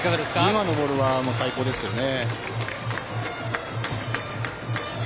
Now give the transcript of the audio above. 今のボールは最高ですよね。